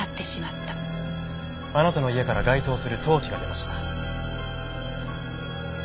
あなたの家から該当する陶器が出ました。